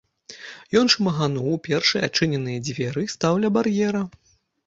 Ён шмыгануў у першыя адчыненыя дзверы і стаў ля бар'ера.